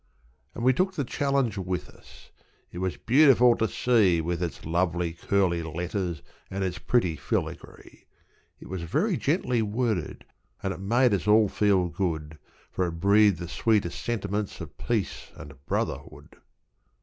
And we took the challenge with us. It was beautiful to see, With its lovely, curly letters, and its pretty filagree. It was very gently worded, and it made us all feel good, For it breathed the sweetest sentiments of peace and brotherhood.